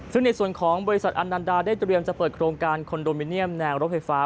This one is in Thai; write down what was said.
ซึ่งในส่วนของบริษัทอันนันดาได้เตรียมจะเปิดโครงการคอนโดมิเนียมแนวรถไฟฟ้า